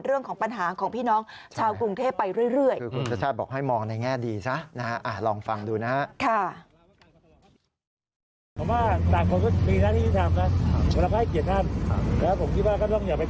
เรื่องของปัญหาของพี่น้องชาวกรุงเทพไปเรื่อย